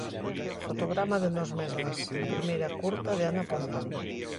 Fotograma de 'Nós mesmas', a primeira curta de Ana Pontón.